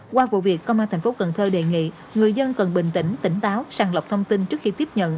qua vụ việc công an thành phố cần thơ đề nghị người dân cần bình tĩnh tỉnh táo sàng lọc thông tin trước khi tiếp nhận